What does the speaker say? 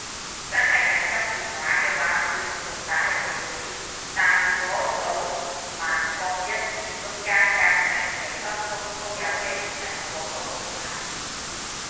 真係緊急電話嘅話會連續打嚟幾次，但如果早午晚各一次中間隔成幾粒鐘都有機會係廣告電話